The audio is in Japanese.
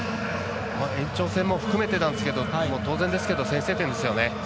延長戦も含めてなんですけど当然ですけど先制点ですよね。